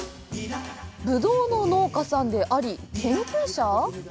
ブドウの農家さんであり研究者！？